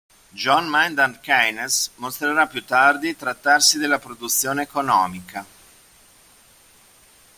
John Maynard Keynes mostrerà più tardi trattarsi della produzione economica.